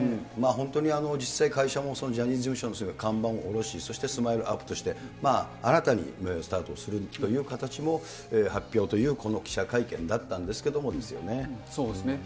本当に実際、会社もジャニーズ事務所の看板をおろし、そしてスマイルアップとして、新たに運営をスタートするという形も発表というこの記者会見だっそうですね。